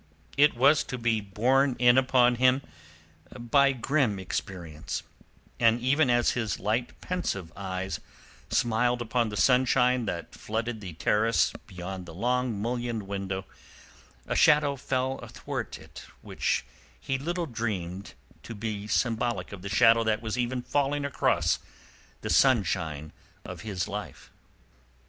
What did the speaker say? It was to be borne in upon him by grim experience, and even as his light pensive eyes smiled upon the sunshine that flooded the terrace beyond the long mullioned window, a shadow fell athwart it which he little dreamed to be symbolic of the shadow that was even falling across the sunshine of his life.